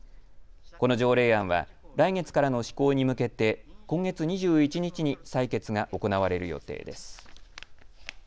この条例案は来月からの施行に向けて今月２１日に採決が行われる予定です。